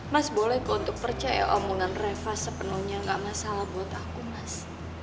mas boleh kok untuk percaya omongan reva sepenuhnya gak masalah buat aku mas